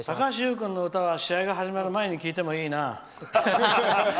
君の歌は試合が始まる前に聴いてもいいな。